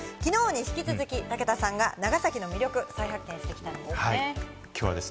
昨日に引き続き、武田さんが長崎の魅力を再発見してきたんですね。